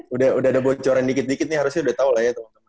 udah ada bocoran dikit dikit nih harusnya udah tau lah ya teman teman